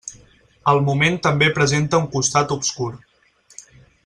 El moment també presenta un costat obscur.